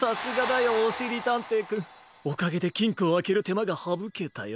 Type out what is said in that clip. おかげできんこをあけるてまがはぶけたよ。